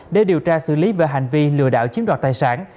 để điều tra xử lý về hành vi lừa đảo chiếm đoạt tài sản